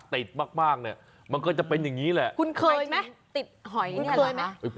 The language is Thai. ติดมากมากเนี่ยมันก็จะเป็นอย่างนี้แหละคุณเคยไหมติดหอยเนี่ยเลยไหม